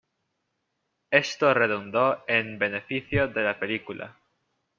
Esto redundó en beneficio de la película.